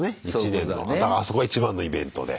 １年のだからあそこが一番のイベントで。